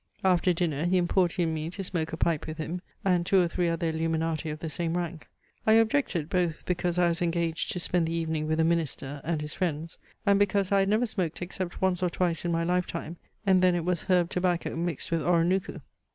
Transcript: After dinner he importuned me to smoke a pipe with him, and two or three other illuminati of the same rank. I objected, both because I was engaged to spend the evening with a minister and his friends, and because I had never smoked except once or twice in my lifetime, and then it was herb tobacco mixed with Oronooko.